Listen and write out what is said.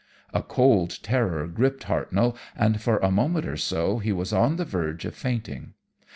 A cold terror gripped Hartnoll, and for a moment or so he was on the verge of fainting.